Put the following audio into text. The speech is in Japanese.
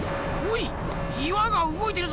いわがうごいてるぞ！